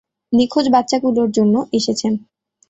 নিখোঁজ বাচ্চাগুলোর জন্য এসেছেন।